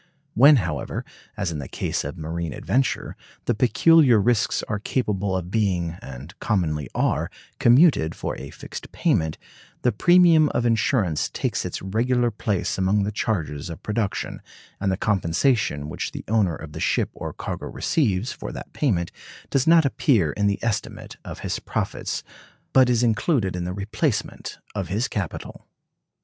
When, however, as in the case of marine adventure, the peculiar risks are capable of being, and commonly are, commuted for a fixed payment, the premium of insurance takes its regular place among the charges of production, and the compensation which the owner of the ship or cargo receives for that payment does not appear in the estimate of his profits, but is included in the replacement of his capital.